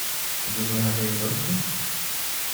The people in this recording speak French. Vous en avez un autre ?